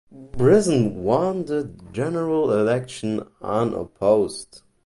Brisson won the general election unopposed.